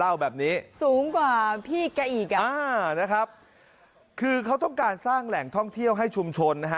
เล่าแบบนี้นะครับคือเขาต้องการสร้างแหล่งท่องเที่ยวให้ชุมชน